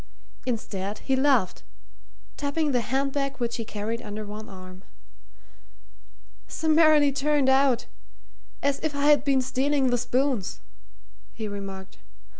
Instead, he laughed, tapping the hand bag which he carried under one arm. "Summarily turned out as if I had been stealing the spoons," he remarked.